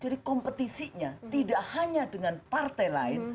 jadi kompetisinya tidak hanya dengan partai lain